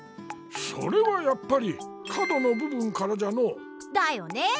それはやっぱり角のぶ分からじゃの。だよね。